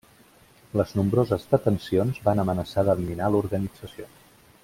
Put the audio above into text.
Les nombroses detencions van amenaçar d'eliminar l'organització.